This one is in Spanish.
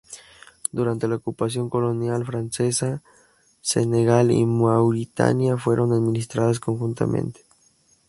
Durante la ocupación colonial francesa, Senegal y Mauritania fueron administradas conjuntamente.